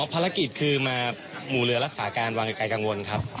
ภารกิจคือมาหมู่เรือรักษาการวางไกลกังวลครับ